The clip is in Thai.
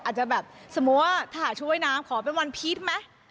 อาจจะแบบสมมุติว่าถ้าชุดว่ายน้ำขอเป็นวันพีชไหม